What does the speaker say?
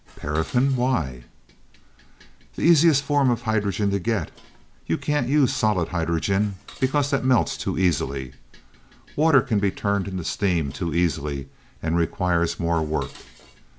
"Paraffin why?" "The easiest form of hydrogen to get. You can't use solid hydrogen, because that melts too easily. Water can be turned into steam too easily, and requires more work.